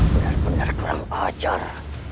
benar benar kurang ajar